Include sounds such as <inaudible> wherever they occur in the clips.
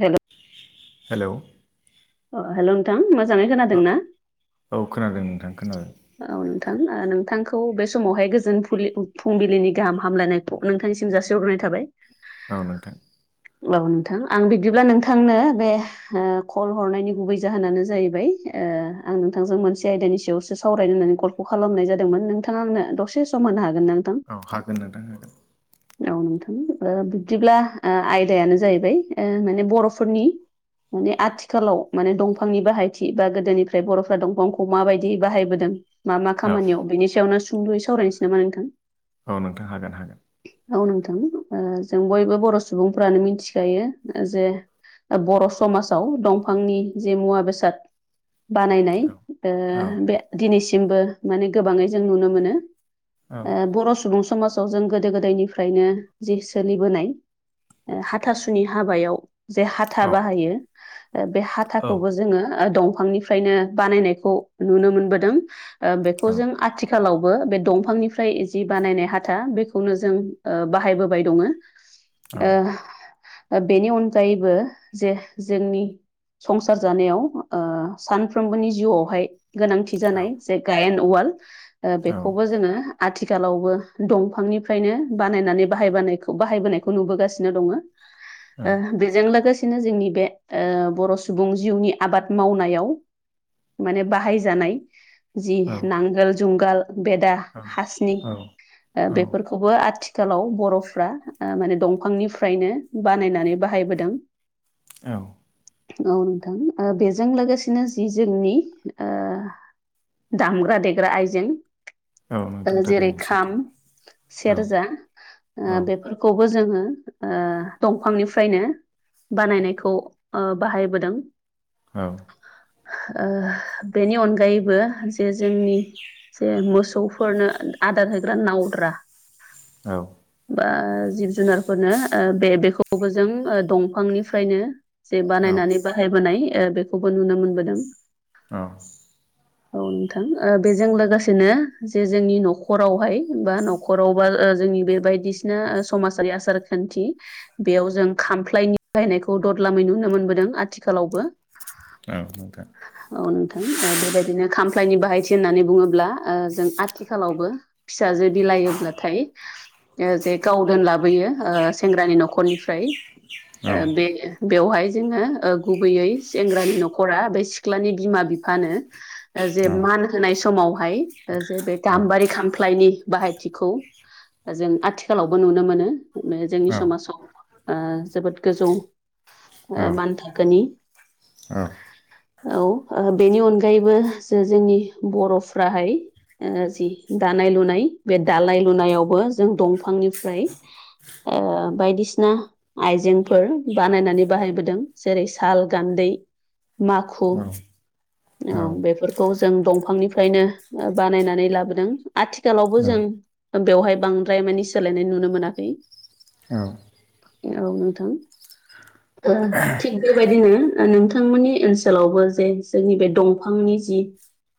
Hello hello अ hello नोंथां मोजाङै खोनादों ओ- ना? औ खोनादों नोंथां। खोनादों औ नोंथां नोंथांखौ बे समावहाय गोजोन फुलिनि फुंबिलिनि गाहाम हामलायनाय नोंथांनिसिम जासि हग्रोनाय थाबाय औ नोंथां अब्लाबो नोंथां। आं बिदिब्ला नोंथांनो बे हो कल हरनायनि गुबै जाहोनानो जाहैबाय, ओ आं नोंथांजों मोनसे आयदानि सायावसो सावरायनो होननानै कलखौ खालामनाय जादोंमोन। नोंथाङानो दसे सम होनो हागोन नोंथां? औ हागोन नोंथां। हागोन <inaudible> औ नोंथां ओ बिब्दिब्ला ओ आयदायानो जाहैबाय ओ माने बर'फोरनि माने आथिखालाव माने दंफांनि बाहायथि बा गोदोनिफ्राय बर'फ्रा दंफांखौ माबायदि बाहायबो दों। मा मा औ खामानियाव बेनि सायावनो सुंद'यै सावरायनोसै नामा नोंथां! औ नोंथां हागोन हागोन। औ नोंथां ओ जों बयबो बर' सुबुंफ्रानो मिथिखायो जे बर' समाजाव दंफांनि जे मुवा बेसाद बानायनाय औ ओ औ बे दिनैसिमबो माने गोबाङै जों नुनो मोनो औ ओ बर' सुबुं समाजाव जों गोदो गोदायनिफ्रायनो जि सोलिबोनाय ओ हाथासुनि हाबायाव जे हाथा औ बाहायो बे औ हाथाखौबो जोङो दंफांनिफ्रायनो बानायनायखौ नुनो मोनबोदों। ओ औ बेखौ जों आथि खालावबो बे दंफांनिफ्राय जि बानायनाय हाथा बेखौनो जों ओ बाहायबोबाय दङ। ओ बेनि अनगायैबो जे जोंनि संसार जानायाव ओ सानफ्रोमबोनि जिउआवहाय गोनांथि जानाय जे गायेन उवाल बेखौबो जोङो आथिखालावबो दंफांनिफ्रायनो बानायनानै बाहायबखौ बाहायबोनायखौ नुबोगासिनो दङ। ओ बेजों लोगो सेनो जोंनि बे ओ बर' सुबुं जिउनि आबाद मावनायाव माने बाहायजानाय जि नांगोल जुंगाल बेदा हासिनि ओ औ बेफोर खौबो आथिखालाव बर'फ्रा ओ माने दंफांनिफ्रायनो बानायनानै बाहायबोदों। <inaudible> औ। औ नोंथां ओ बेजों लोगोसेनो जि जोंनि ओ दामग्रा देग्रा आइजें औ नोंथां ओ जेरै थारैनो सैथो खाम औ सेरजा औ ओ बेफोर खौबो जोंङो ओ दंफांनिफ्रायनो बानायनायखौ ओ बाहायबोदों। औ। ओ बेनि अनगायैबो जे जोंनि जे मोसौफोरनो आदार होग्रा नावद्रा औ। बा जिब जुनारफोरनो ओ बे बेखौबो जों ओ दंफांनिफ्रायनो जे बानायनानै बाहायबोनाय ओ बेखौबो नुनो मोनबोदों। औ। औ नोंथां ओ बेजों लोगोसेनो जे जोंनि न'खरावहाय बा न खरावबा ओ जोंनि बे बायदिसिना समाजारि आसार खान्थि बेयाव जों खामफ्लायनि बाहायनायखौ ददलामै नुनो मोनबोदों आथिखालावबो। औ नोंथां। औ नोंथां ओ बेबायदिनो खामफ्लायनि बाहायथि होननानै बुङोब्ला ओ जों आथिखालावबो फिसाजो बिलायोब्लाथाय ओ जे गाव दोनलाबोयो ओ सेंग्रानि न'खरनि फ्राय ओ बे बेवहाय जोंङो ओ गुबैयै सेंग्रानि न'खरा बे सिख्लानि बिमा बिफानो ओ जे मान होनाय समावहाय जे बे गाम्बारि खामफ्लायनि बाहायथिखौ जों आथिखालावबो नुनो मोनो बे जोंनि समाजाव। ओ जोबोद गोजौ मान थाखोनि। औ ओ बेनि अनगायैबो ज जोंनि बर'फ्राहाय ओ जि दानाय लुनाय बे दानाय लुनायावबो जों दंफांनिफ्राय ओ बायदिसिना आइजेंफोर बानायनानै बाहायबोदों जेरै साल गान्दै माखु औ बेफोर खौ जों दंफांनिफ्रायनो बानायनानै लाबोदों। आथिखालावबो जों बेवहाय बांद्राय मानिे सोलायनाय नुनो मोनाखै। औ औ नोंथां। थिग बेबायदिनो नोंथांमोननि ओनसोलावबो जे जोंनि बे दंफांनि जि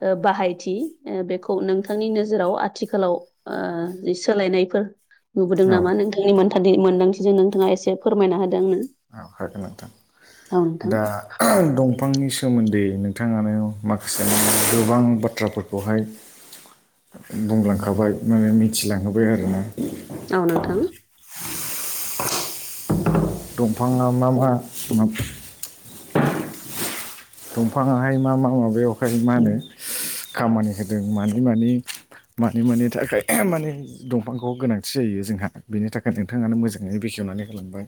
ओ बाहायथि ओ बेखौ नोंथांनि नोजोराव आथिखालाव ओ सोलायनायफोर नुबोदों औ औ नामा नोंथांनि मोनथ मोनदांथिजों नोंथाङा एसे फोरमायना होदों आंनो। औ हागोन नोंथां दा दंफांनि सोमोन्दै नोंथाङानो माखासे गोबां बाथ्राफोरखौहाय <inaudible> बुंलांखाबाय माने मिथिलांहोबाय आरो ना। औ नोंथां। दंफाङा मा मा दंफाङाहाय मा मा माबायावहाय मा होनो खामानि होदों मानि मानि मानि मानि थाखाय मानिे दंफांखौ गोनांथि जायो जोंहा बेनि थाखायनो नोंथाङानो मोजाङै बेखेवनानै होलांबाय।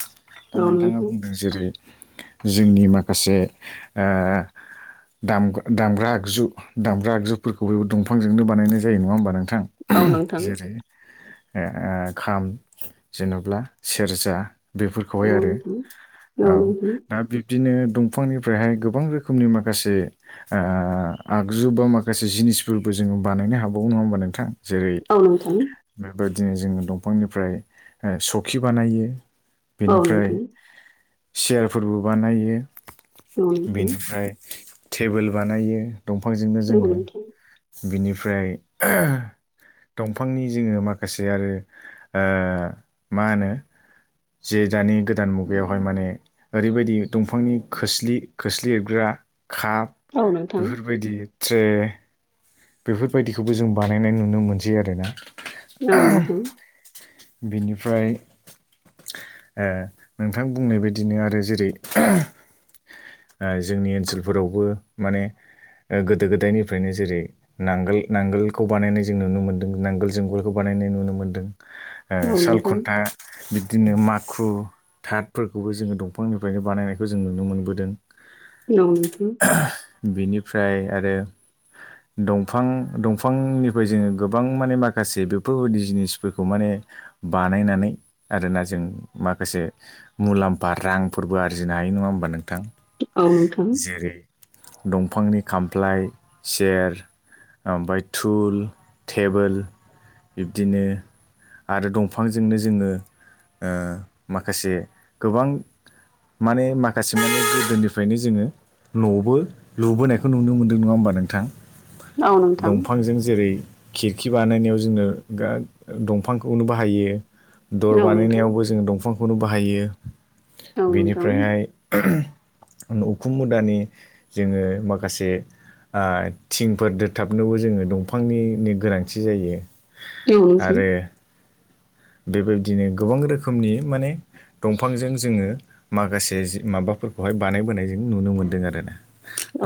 दा औ नोंथाङा नोंथां बुंदों जेरै जोंनि माखासे आ दाम दामग्रा आगजु दामग्रा आगजुफोरखौ बे दंफांजोंनो बानायनाय जायो नङा होमबा नों थां? औ नोंथां जेरै ओ खाम जेनब्ला सेरजा बेफोरखौहाय औ आरो नोंथां औ दा बिब्दिनो दंफांनिफ्रायहाय गो बां रोखोमनि माखासे ओ आगजु बा माखासे जिनिसफोरबो जोङो बानायनो हाबावो नङा होमबा नोंथां? जेरै औ नोंथां बेबायदिनो जोङो दंफांनिफ्राय ओ सखि बानायो औ नोंथां औ नोंथां बिनिफ्राय सियारफोरबो बानायो औ नोंथां औ बेनिफ्राय टेबोल बानायो दंफांजोंनो जोङो नोंथां बिनिफ्राय दंफांनि जोङो माखासे आरो ओ मा होनो जे दानि गोदान मुगायावहाय माने ओरैबायदि दंफांनि खोस्लि खोस्लि एरग्रा काप औ नोंथां बेफोरबायदि ट्रे बेफोरबायदिखौबो जों बानायनाय नुनो मोनसै आरोना। औ नोंथां। बिनिफ्राय ओ नोंथां बुंनाय बायदिनो आरो जेरै ओ जोंनि ओनसोलफोरावबो माने ओ गोदो गोदायनिफ्रायनो जेरै नांगोल नांगोलखौ बानायनाय जों नुनो मोनदों नांगोल जुंगोलखौ बानायनाय नुनो मोन्दों। ओ सालखुन्था बिदिनो माखु थादफोरखौबो जोङो दंफांनिफ्रायनो बानायनायखौ जों नुनो मोनबोदों। <unintelligible> बेनिफ्राय आरो दंफां दंफांनिफ्राय जोङो गोबां माने माखासे बेफोरबायदि जिनिसफोरखौ माने बानायनानै आरोना जों माखासे मुलाम्फा रांफोरबो आरजिनो हायो नङा होमबा नोंथां? औ नोंथां औ नोंथां औ नोंथां औ नोंथां औ नोंथां जेरै दंफांनि खामफ्लाय सेयार ओमफ्राय टुल टेबोल बिबदिनो आरो दंफांजोंनो जोङो ओ माखासे गोबां माने माखासे माने गोदोनिफ्रायनो जोङो नबो लुबोनायखौ नुनो मोनदों नङा होमबा नोंथां? औ नोंथां दंफांजों जेरै खिरखि बानायनायाव जोङो गा दंफांखौनो बाहायो दर औ नोंथां बानायनायावबो जोङो दंफांखौनो बाहायो औ नोंथां बेनिफ्रायहाय उखुम मुदानि जोङो माखासे ओ थिंफोर दोदथाबनोबो जोङो दंफांनिनो गोनांथि जायो औ नोंथां आरो <inaudible> बेबायदिनो गोबां रोखोमनि माने दंफांजों जोङो माखासे जि माबाफोरखौहाय बानायबोनाय जों नुनो मोनदों आरोनो।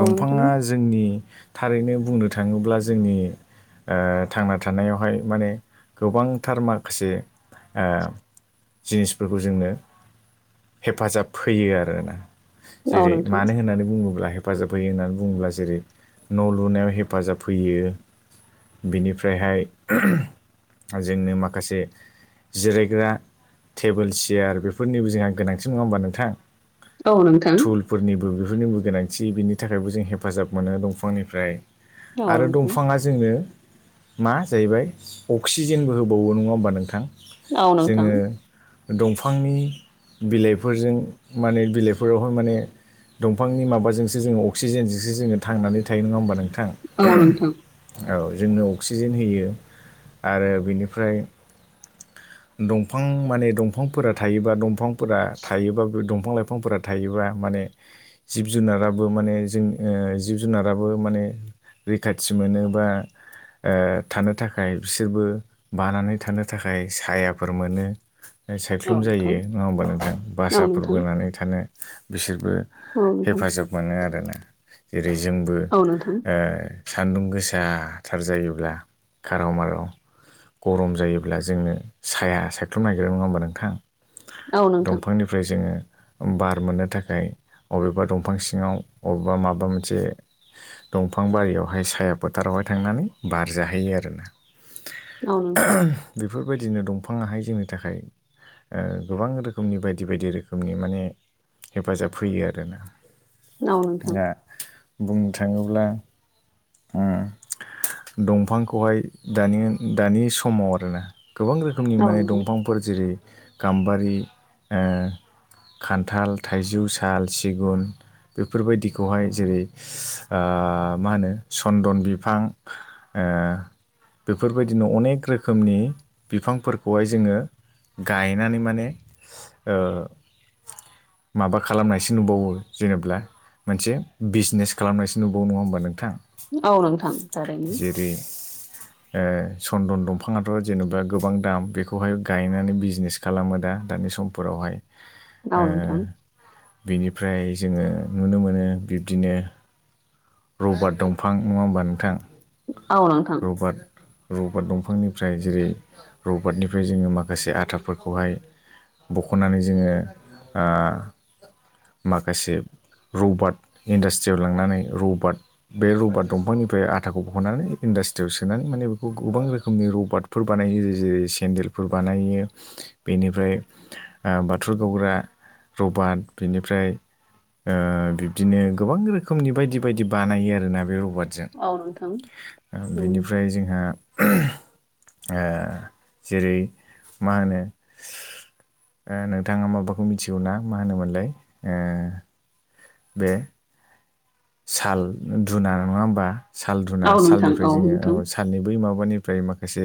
औ जोंनि थारैनो बुंनो थाङोब्ला जोंनि ओ थांना थानायावहाय माने गोबांथार माखासे ओ जिनिसफोरखौ जोंनो हेफाजाब होयो आरोना। जेरै नोंथां मानो होननानै बुङोब्ला हेफाजाब होयो होननानै बुङोब्ला जेरै न' लुनायाव हेफाजाब होयो। बिनिफ्रायहाय जोंनो माखासे जिरायग्रा टेबोल सियार बेफोरनिबो जोंहा गोनांथि नङा होमबा नोंथां? औ नोंथां। बेफोरनिबो बेफोरनिबो गोनांथि बिनि थाखायबो जों हेफाजाब मोनो दंफांनिफ्राय औ आरो नोंथां दंफाङा जोंनो मा जाहैबाय अक्सिजेनबो होबावो नङा होमबा नोंथां? औ नोंथां जोङो दंफांनि बिलाइफोरजों माने बिलाइफोरावहाय माने, दंफांनि माबाजोंसो जोङो अक्सिजेनजोंसो जोङो थांनानै थायो नङा होमबा नोंथां, औ नोंथां। औ जोंनो अक्सिजेन होयो आरो बेनिफ्राय, <inaudible> <inaudible> दंफां माने दंफांफोरा थायोबा दंफांफोरा थायोबा बे दंफां लाइफांफोरा थायोबा माने, जिब जुनाराबो माने जों ओ जिब जुनाराबो माने रैखाथि मोनो बा ओ थानो थाखाय बिसोरबो बानानै थानो थाखाय सायाफोर मोनो। औ सायख्लुम जायो नङा होमबा नोंथां नोंथां औ भासाफोर नोंथां बोनानै थानो बिसोरबो औ हेफाजाब मोनो आरोना जेरै जोंबो नोंथां ओ सान्दुं गोसाथार जायोब्ला खाराव माराव गरम जायोब्ला जोङो साया सायख्लुम नागिरो नङा होमबा नोंथां औ नोंथां दंफांनि फ्राय जोङो बार मोननो थाखाय अबेबा दंफां सिङाव अबेबा माबा मोन मोनसे दंफां बारियावहाय साया फोथारावहाय थांनानै बारजाहैयो आरो ना औ नोंथां बेफोरबायदिनो दंफाङाहाय जोंनि थाखाय, ओ गोबां रोखोमनि बायदि बायदि रोखोमनि माने हेफाजाब होयो आरोना औ नोंथां। दा बुंनो थाङोब्ला। <unintelligible> दंफांखौहाय दानि दानि समाव आरोना गोबां रोख रोखोमनि औ नोंथां औ नोंथां औ माने नोंथां दंफांफोर जेरै गाम्बारि ओ खान्थाल थाइजौ साल सिगुन बेफोरबायदि खौहाय, जेरै ओ मा होनो सन्दन बिफां ओ बेफोरबायदिनो अनेक रोखोमनि बिफांफोरखौहाय जोङो। गायनानै माने ओ माबा खालामनायसो नुबावो जेनेब्ला मोनसे, बिजनेस खालामनायसो नुबाव नङा होनोमबा नोंथां। औ नोंथां थारैनो, जेरै ओ सन्दन दंफाङाथ' जेनेबा गोबां दाम बेखौहाय गायनानै बिजनेस, खालामो दा दानि समफोरावहाय, औ ओ नोंथां बिनिफ्राय जोङो नुनो मोनो बिद बिदिनो रबारट दंफां नङा होमबा नोंथां, औ नोंथां रबारट, रबारट दंफांनिफ्राय जेरै रबारटनिफ्राय जोङो माखासे आटाफोरखौहाय, बख'नानै जोङो ओ माखासे रबारट, इन्डासट्रियाव लांनानै रबार्ट, बे रबारट दंफांनिफ्राय आटाखौ बखनानै इन्डासट्रियाव सोनानै माने बेखौ गोबां रोखोमनि रबारट, फोर बानायो जेर जेरै सेन्देलफोर बानायो बेनिफ्राय, ओ बाथुल गावग्रा रबारट बिनिफ्राय ओ बिद बिदिनो गोबां रोखोमनि बायदि बायदि बानायो आरोना बे रबारट, जों औ नोंथां उम बेनिफ्राय जोंहा, जेरै मा होनो, नोंथाङा माबाखौ मिथिगौ ना? मा होनोमोनलाय। बे, साल धुना नङा होमबा साल धुना औ नोंथां सालनिफ्राय जोङो औ नोंथां साननै बै माबानिफ्राय माखासे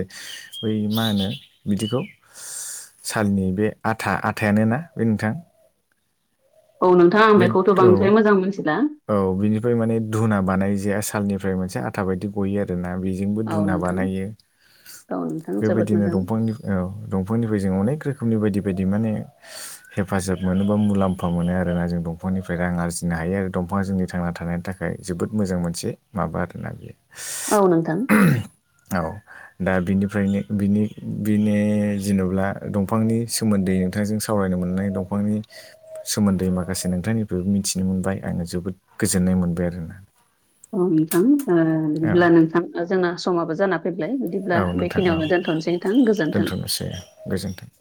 बै मा होनो बिदिखौ, सालनि बे आटा आटायानोना बे नोंथां, औ नोंथां आं बे बेखौथ' औ बांद्राय मोजां मिथिला। औ बिनिफ्राय माने धुना बानाय जे सालनिफ्राय मोनसे आथा बायदि गयो आरो ना बे जोंबो औ धुना नोंथां बानायो औ नोंथां जोबोद बेबायदिनो मोजां दंफांनि औ दंफांनिफ्राय जों अनेक रोखोमनि बायदि बायदि माने हेफाजाब मोनोबा मुलाम्फा मोनो आरोना जों दंफांनिफ्राय रां आरजिनो हायो आरो दंफाङा जोंनि थांना थानायनि थाखाय जोबोद मोजां मोनसे माबा आरोना बे <inaudible> औ नोंथां औ दा बिनिफ्रायनोनि बिनि बिनो जेनेवबा दंफांनि सोमोन्दै नोंथांजों सावरायनो मोननाय दंफांनि सोमोन्दै माखासे माखासे नोंथांनिफ्रायबो मिथिनो मोनबाय आङो जोबोद गोजोननाय मोनबाय आरोना अनोंथां औ बिदिब्ला नोंथां जोंना समाबो जाना फैबाय औ बिदिब्ला बेखिनियावनो दोनथ'नोसै थां गोजोन्थों। एसे गोजोन्थों।